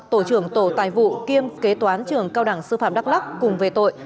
tổ trưởng tổ tài vụ kiêm kế toán trường cao đẳng sư phạm đắk lắc cùng về tội